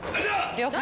了解。